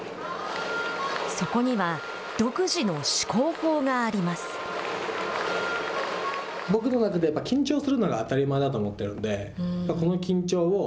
そこには、独自の思考法があります。